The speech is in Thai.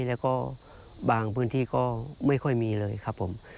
แล้วก็บางพื้นที่ก็ไม่ค่อยมีเลยครับผม